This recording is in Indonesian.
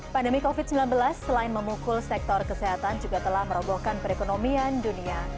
pandemi covid sembilan belas selain memukul sektor kesehatan juga telah merobohkan perekonomian dunia